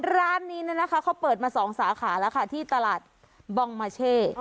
ร้านนี้นะคะเขาเปิดมา๒สาขาแล้วค่ะที่ตลาดบองมาเช่